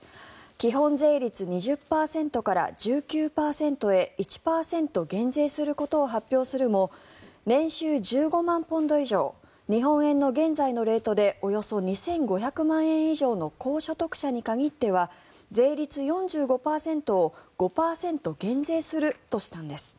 基本税率２０％から１９％へ１％減税することを発表するも年収１５万ポンド以上日本円の現在のレートでおよそ２５００万円以上の高所得者に限っては税率４５％を５％減税するとしたんです。